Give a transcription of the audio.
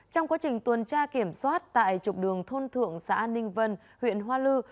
trong quá trình tuần tra kiểm soát tại trục đường thôn thượng xã ninh vân huyện hoa lư